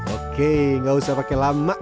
oke gak usah pakai lama